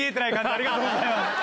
ありがとうございます。